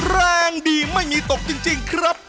แรงดีไม่มีตกจริงครับ